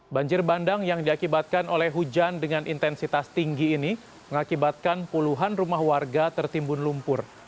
banjir bandang yang diakibatkan oleh hujan dengan intensitas tinggi ini mengakibatkan puluhan rumah warga tertimbun lumpur